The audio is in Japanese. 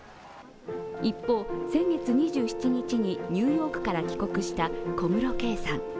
一方、先月２７日にニューヨークから帰国した小室圭さん。